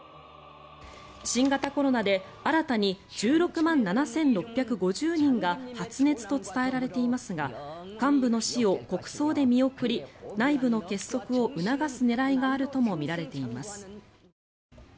新型コロナで新たに１６万７６５０人が発熱と伝えられていますが幹部の死を国葬で見送り内部の結束を促す狙いがあるともみられています。